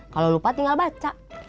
kalau lupa tinggal baca